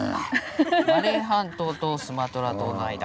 マレー半島とスマトラ島の間。